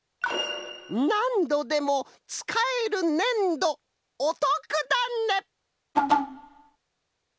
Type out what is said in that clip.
「なんどでもつかえるねんどおとくだね」。